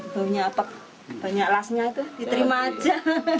baunya apek banyak lasnya itu diterima saja